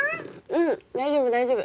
うん大丈夫大丈夫。